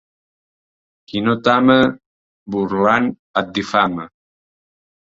Qui no t'ama, burlant et difama.